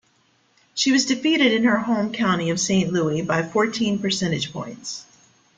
She was defeated in her home county of Saint Louis by fourteen percentage points.